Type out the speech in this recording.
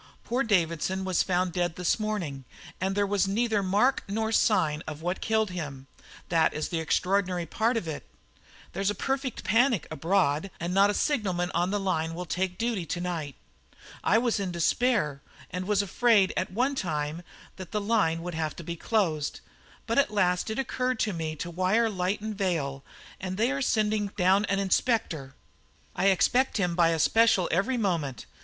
Poor Davidson was found dead this morning, and there was neither mark nor sign of what killed him that is the extraordinary part of it. There's a perfect panic abroad, and not a signalman on the line will take duty to night. I was quite in despair, and was afraid at one time that the line would have to be closed, but at last it occurred to me to wire to Lytton Vale, and they are sending down an inspector. I expect him by a special every moment.